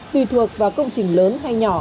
tùy thuộc vào công trình lớn hay nhỏ